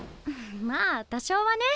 まあ多少はね。